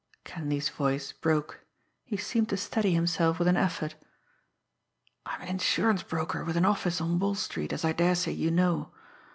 Kenleigh's voice broke. He seemed to steady himself with an effort. "I'm an insurance broker with an office on Wall Street, as I daresay you know.